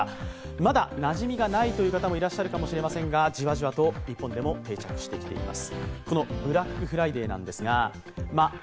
まだなじみがないという方もいらっしゃるかもしれませんが、じわじわと日本でも定着しつつあります。